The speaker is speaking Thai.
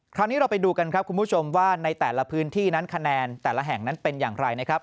เราไปดูกันครับคุณผู้ชมว่าในแต่ละพื้นที่นั้นคะแนนแต่ละแห่งนั้นเป็นอย่างไรนะครับ